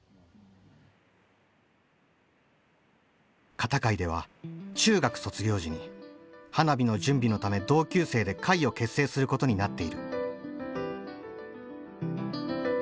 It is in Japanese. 片貝では中学卒業時に花火の準備のため同級生で会を結成することになっている。